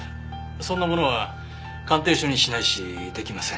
そんなものは鑑定書にしないし出来ません。